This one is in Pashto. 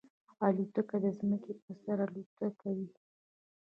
الوتکه د ځمکې پر سر الوت کوي.